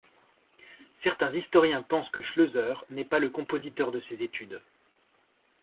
Certains historiens pensent que Schlözer n'est pas le compositeur de ces études.